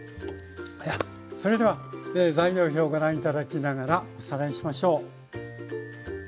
それでは材料表をご覧頂きながらおさらいしましょう。